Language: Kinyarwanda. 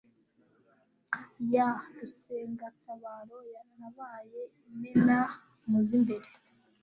ya Rusengatabaro nabaye imena mu z imbere